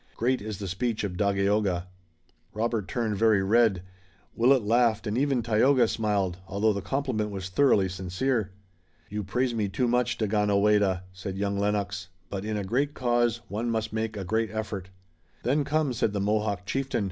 Great is the speech of Dagaeoga." Robert turned very red. Willet laughed and even Tayoga smiled, although the compliment was thoroughly sincere. "You praise me too much, Daganoweda," said young Lennox, "but in a great cause one must make a great effort." "Then come," said the Mohawk chieftain.